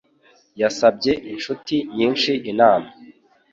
Yasabye inshuti nyinshi inama.